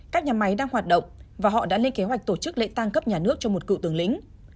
các nhà máy đang hoạt động và họ đã lên kế hoạch tổ chức lễ tăng cấp nhà nước cho một cựu tướng lĩnh